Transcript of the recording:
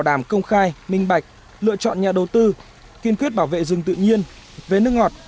đảm công khai minh bạch lựa chọn nhà đầu tư kiên quyết bảo vệ rừng tự nhiên về nước ngọt